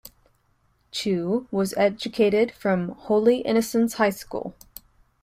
Chew was educated from Holy Innocents' High School.